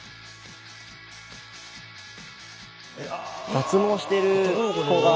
脱毛してる子が。